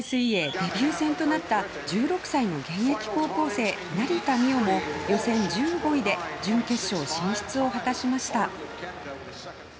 続く３組目世界水泳デビュー戦となった１６歳の現役高校生成田実生も予選１５位で準決勝進出を果たしました。